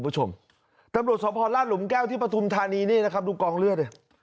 ตำรวจสรพรรดิหลุมแก้วที่ปะทุมธานีดูกองเลือดเลย